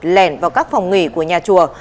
lèn vào các phòng nghỉ của nhà chùa